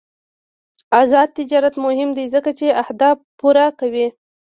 آزاد تجارت مهم دی ځکه چې اهداف پوره کوي.